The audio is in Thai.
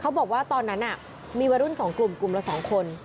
บอกว่าตอนนั้นมีวัยรุ่น๒กลุ่มกลุ่มละ๒คน